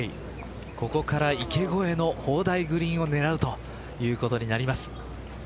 ここから池越えの砲台グリーンを狙うということになります。